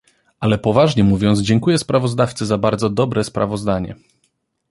Ale poważnie mówiąc, dziękuję sprawozdawcy za bardzo dobre sprawozdanie